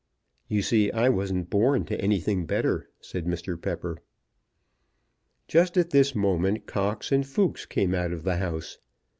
"You see I wasn't born to anything better," said Mr. Pepper. Just at this moment Cox and Fooks came out of the house.